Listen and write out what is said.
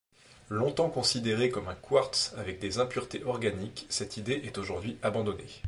Longtemps considéré comme un quartz avec des impuretés organiques cette idée est aujourd'hui abandonnée.